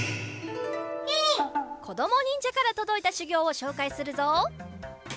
こどもにんじゃからとどいたしゅぎょうをしょうかいするぞ！